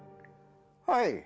はい。